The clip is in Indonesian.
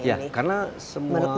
ya karena semua